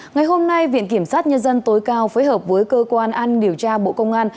ngày hôm nay viện kiểm sát nhân dân tối cao phối hợp với cơ quan an điều tra bộ công an